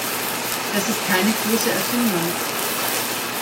Das ist keine große Erfindung.